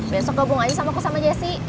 besok gabung aja sama aku sama jessy